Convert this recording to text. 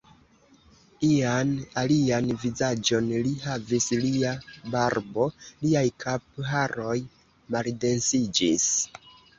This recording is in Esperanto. Ian alian vizaĝon li havis, lia barbo, liaj kapharoj maldensiĝis.